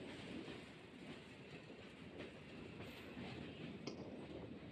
Hakuna tiba ya vinundu vya ngozi